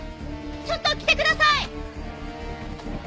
ちょっと来てください！